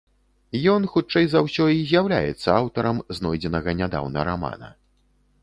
Ён, хутчэй за ўсё, і з'яўляецца аўтарам знойдзенага нядаўна рамана.